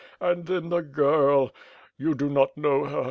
.. and then the girl! you do not kxkow her